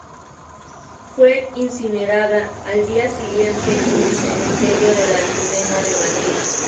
Fue incinerada al día siguiente en el Cementerio de La Almudena de Madrid.